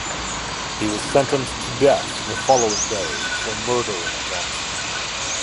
He was sentenced to death the following day for murdering Johnson.